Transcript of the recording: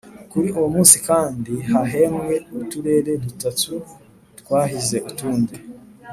Kuri uwo munsi kandi hahembwe Uturere dutatu twahize utundi